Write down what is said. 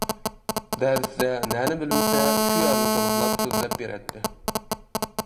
دەرستە نەنى بىلمىسە شۇ يەرنى تولۇقلاپ سۆزلەپ بېرەتتى.